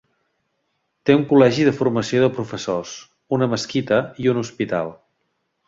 Té un col·legi de formació de professors, una mesquita i un hospital.